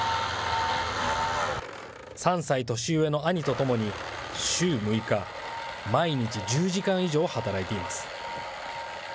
３歳年上の兄と共に、週６日、毎日１０時間以上働いています。